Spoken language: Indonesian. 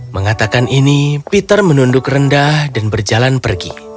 mengatakan ini peter menunduk rendah dan berjalan pergi